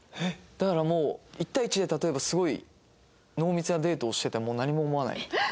だからもう１対１で例えばすごい濃密なデートをしてても何も思わないというか。